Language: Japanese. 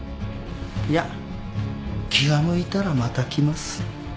じゃあ気が向いたらまた来ます。